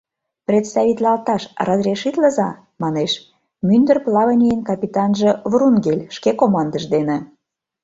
— Представитлалташ разрешитлыза, — манеш: — мӱндыр плавнийын капитанже Врунгель шке командыже дене